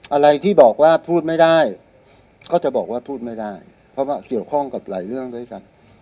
อะไรที่บอกว่าพูดไม่ได้ก็จะบอกว่าพูดไม่ได้เพราะว่าเกี่ยวข้องกับหลายเรื่องด้วยกัน